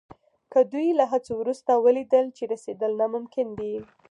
که دوی له هڅو وروسته ولیدل چې رسېدل ناممکن دي.